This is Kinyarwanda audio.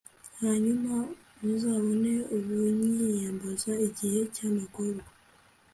hanyuma uzabone ubunyiyambaza igihe cy'amagorwa